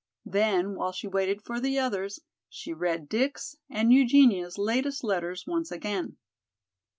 Then, while she waited for the others, she read Dick's and Eugenia's latest letters once again.